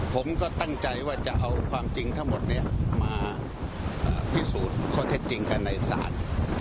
ผมก็ตั้งใจว่าจะเอาความจริงทั้งหมดมาพิสูจน์ความจริงกันในสาร